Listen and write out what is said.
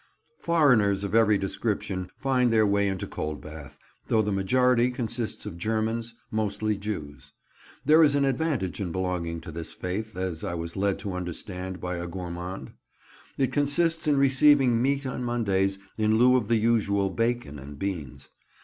Foreigners of every description find their way into Coldbath, though the majority consists of Germans, mostly Jews. There is an advantage in belonging to this faith, as I was led to understand by a gourmand. It consists in receiving meat on Mondays in lieu of the usual bacon and beans.